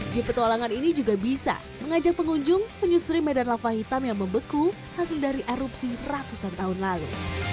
ji petualangan ini juga bisa mengajak pengunjung menyusuri medan lava hitam yang membeku hasil dari erupsi ratusan tahun lalu